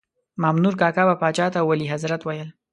مامنور کاکا به پاچا ته ولي حضرت ویل.